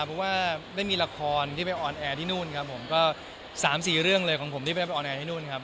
เพราะว่าไม่มีละครที่ไปออนแอร์ที่นู่นครับผมก็๓๔เรื่องเลยของผมที่ไปออนแอร์ที่นู่นครับ